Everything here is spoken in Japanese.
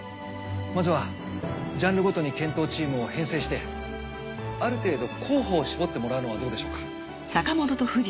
まずはジャンルごとに検討チームを編成してある程度候補を絞ってもらうのはどうでしょうか。